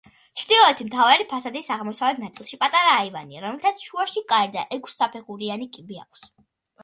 ჩრდილოეთით, მთავარი ფასადის აღმოსავლეთ ნაწილში, პატარა აივანია რომლითაც შუაში კარი და ექვსსაფეხურიანი კიბე აქვს.